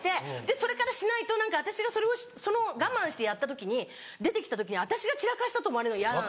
それからしないと何か私が我慢してやった時に出てきた時に私が散らかしたと思われるの嫌なんですよ。